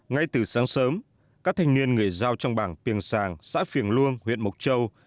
ngay từ sáng sớm các thành niên người giao trong bảng tiền sàng xã phiền luông huyện mộc châu